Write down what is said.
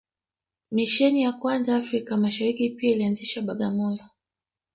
Misheni ya kwanza Afrika Mashariki pia ilianzishwa Bagamoyo